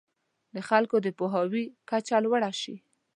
د خلکو د پوهاوي کچه لوړه شي.